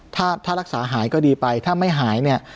ถ้ารักษาหายก็ดีไปถ้าไม่หายเนี่ย